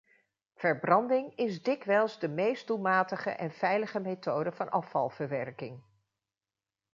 Verbranding is dikwijls de meest doelmatige en veilige methode van afvalverwerking.